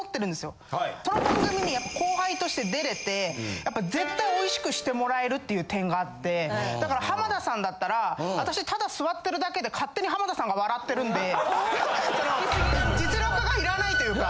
その番組に後輩として出れてやっぱ絶対おいしくしてもらえるっていう点があってだから浜田さんだったら私ただ座ってるだけで勝手に浜田さんが笑ってるんで実力がいらないというか。